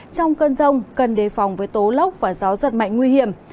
trong cơn rông cần đề phòng với tố lốc và gió giật mạnh nguy hiểm